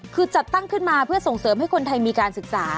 คือจัดตั้งขึ้นมาเพื่อส่งเสริมให้คนไทยมีการศึกษา